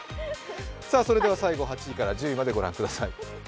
それでは８位から１０位までご覧ください。